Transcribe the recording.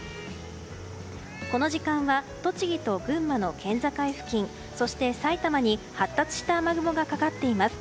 この時間は栃木と群馬の県境付近そして埼玉に発達した雨雲がかかっています。